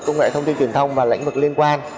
công nghệ thông tin truyền thông và lãnh mực liên quan